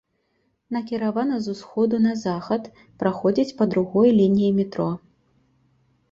Накіравана з усходу на захад, праходзіць па другой лініі метро.